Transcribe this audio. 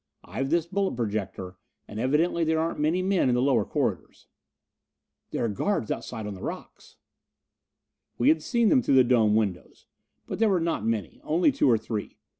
I've this bullet projector, and evidently there aren't many men in the lower corridors." "There are guards outside on the rocks." We had seen them through the dome windows. But there were not many only two or three.